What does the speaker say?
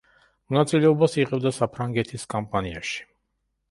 მონაწილეობას იღებდა საფრანგეთის კამპანიაში.